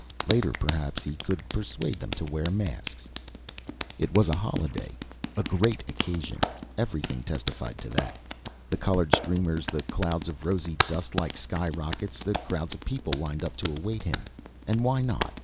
Later, perhaps, he could persuade them to wear masks.... It was a holiday; a great occasion everything testified to that. The colored streamers, the clouds of rosy dust like sky rockets, the crowds of people lined up to await him. And why not?